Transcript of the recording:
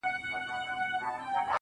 سوخ خوان سترگو كي بيده ښكاري.